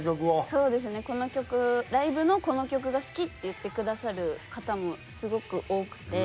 そうですねこの曲ライブのこの曲が好きって言ってくださる方もすごく多くて。